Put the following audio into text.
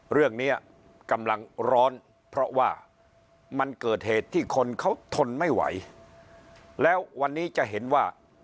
เรื่องนี้กำลังร้อนเพราะว่ามันเกิดเหตุที่คนเขาทนไม่ไหวแล้ววันนี้จะเห็นว่า